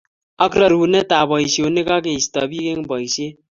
Ak rerunetab boisionik ak keisto bik eng boisiet